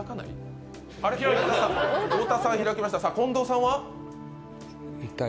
太田さん、開きました近藤さんは？